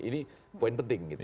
ini poin penting gitu